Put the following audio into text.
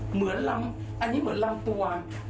เหมือนลำอันนี้เหมือนลำตัว